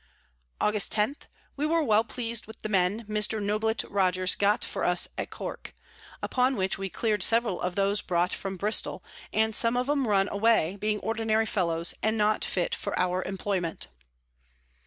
Aug. 10. We were well pleas'd with the Men Mr. Noblett Rogers got for us at Cork; upon which we clear'd several of those brought from Bristol, and some of 'em run away, being ordinary Fellows, and not fit for our Employment.